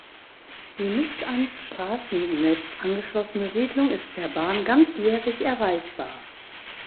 Die nicht ans Strassennetz angeschlossene Siedlung ist per Bahn ganzjährig erreichbar.